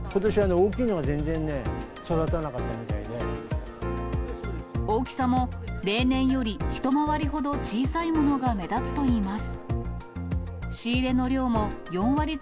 大きさも例年より一回りほど小さいものが目立つといいます。